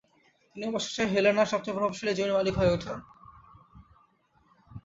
তিনি অবশেষে হেলেনার সবচেয়ে প্রভাবশালী জমির মালিক হয়ে ওঠেন।